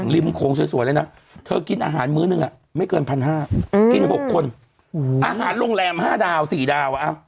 ริมโขงสวยเลยนะเธอกินอาหารมื้อหนึ่งไม่เกิน๑๕๐๐กิน๖คนอาหารโรงแรม๕ดาว๔ดาว